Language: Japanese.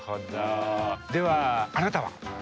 ではあなたは？